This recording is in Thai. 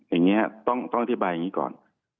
อย่างนี้ต้องอธิบายอย่างนี้ก่อน